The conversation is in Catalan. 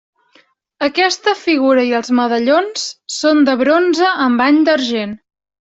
Aquesta figura i els medallons són de bronze amb bany d'argent.